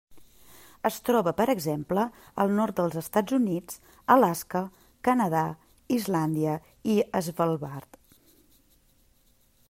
Es troba per exemple, al nord dels Estats Units, Alaska, Canadà, Islàndia i Svalbard.